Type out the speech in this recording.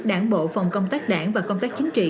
đảng bộ phòng công tác đảng và công tác chính trị